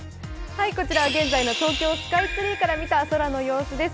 こちらは現在の東京スカイツリーから見た空の様子です。